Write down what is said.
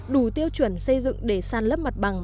đủ tiêu chuẩn xây dựng để sàn lấp mặt bằng